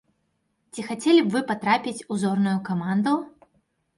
Ці хацелі б вы патрапіць у зорную каманду?